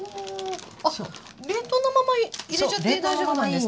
あっ冷凍のまま入れちゃって大丈夫なんですか？